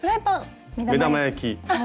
目玉焼き。